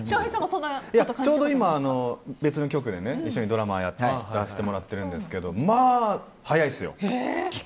ちょうど今別の局で一緒にドラマに出させてもらってるんですけどまあ、早いですよ。